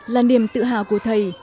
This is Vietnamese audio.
là niềm tự hào của thầy